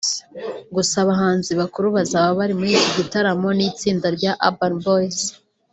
gusa abahanzi bakuru bazaba bari muri iki gitaramo ni itsinda rya Urban Boyz